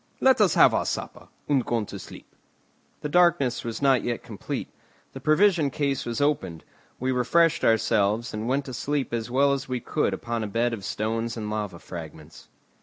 Let us have our supper, and go to sleep." The darkness was not yet complete. The provision case was opened; we refreshed ourselves, and went to sleep as well as we could upon a bed of stones and lava fragments.